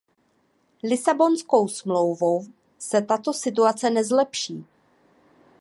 Lisabonskou smlouvou se tato situace nezlepší.